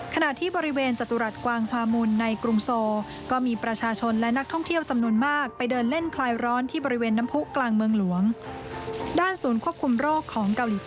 ขณะที่บริเวณจตุรัสกวางความวุลในกรุงโซ